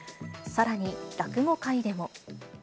さらに、落語界でも。